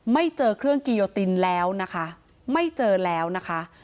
ไม่เจอเครื่องกิโยตินแล้วนะคะไม่เจอแล้วนะคะ